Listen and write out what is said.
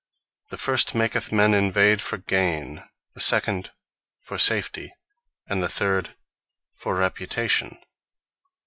The first, maketh men invade for Gain; the second, for Safety; and the third, for Reputation.